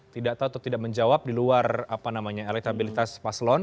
tidak tahu atau tidak menjawab di luar elektabilitas paslon